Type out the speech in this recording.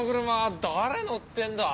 誰乗ってんだ？